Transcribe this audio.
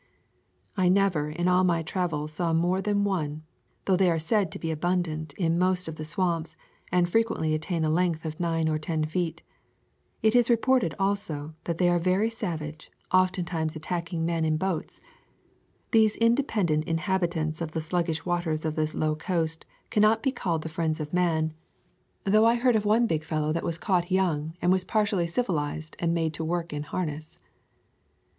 I never in all my travels saw more than one, though they are said to be abundant in most of the swamps, and frequently attain a length of nine or ten feet. It is reported, also, that they are very savage, oftentimes attacking men in boats. These independent inhabitants of the sluggish waters of this low coast cannot be called the friends of man, though I heard of A Thousand Mile Walk one big fellow that was caught young and was partially civilized and made to work in harness.